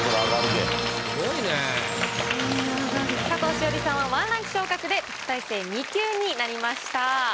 詩織さんは１ランク昇格で特待生２級になりました。